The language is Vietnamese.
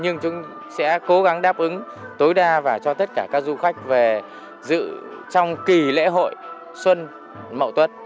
nhưng chúng sẽ cố gắng đáp ứng tối đa và cho tất cả các du khách về dự trong kỳ lễ hội xuân mậu tuất